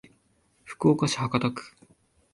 福岡市博多区